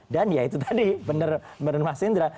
dan ya itu tadi benar benar mas indra